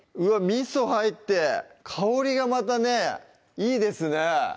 みそ入って香りがまたねいいですね